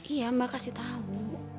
iya mbak kasih tau